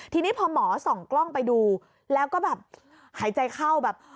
ทีนี้พอหมอส่องกล้องไปดูแล้วก็แบบหายใจเข้าแบบ